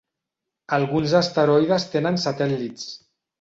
Alguns asteroides tenen satèl·lits.